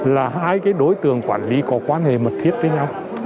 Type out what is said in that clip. là hai cái đối tượng quản lý có quan hệ mật thiết với nhau